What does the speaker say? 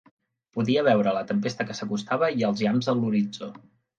Podia veure la tempesta que s'acostava i els llamps a l'horitzó.